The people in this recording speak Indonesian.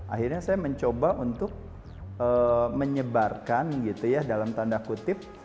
akhirnya saya mencoba untuk menyebarkan gitu ya dalam tanda kutip